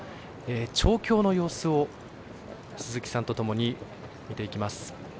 調教の様子を鈴木さんとともに見ていきます。